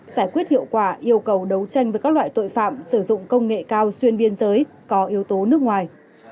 giải quyết hiệu quả yêu cầu đấu tranh với các loại tội phạm sử dụng công nghệ cao xuyên biên giới có yếu tố nước ngoài